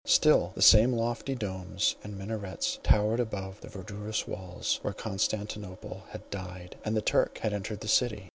Still the same lofty domes and minarets towered above the verdurous walls, where Constantine had died, and the Turk had entered the city.